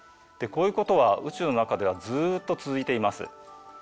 こういうことは宇宙の中ではずっと続いています。